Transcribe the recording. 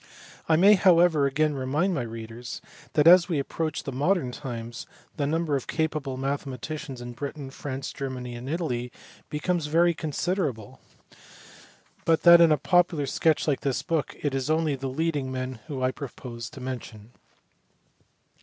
I may however again remind my readers that as we approach modern times the number of capable mathematicians in Britain, France, Germany, and Italy becomes very considerable, but DAVID GREGORY. HALLEY. 387 that in a popular sketch like this book it is only the leading men whom I propose to mention.